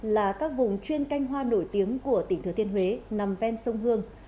là các vùng chuyên canh hoa nổi tiếng của tỉnh thừa thiên huế nằm ven sông hương